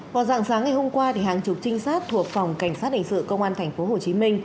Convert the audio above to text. vào dạng sáng ngày hôm qua hàng chục trinh sát thuộc phòng cảnh sát hình sự công an tp hcm